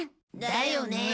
だよね。